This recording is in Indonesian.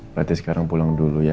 berarti sekarang pulang dulu ya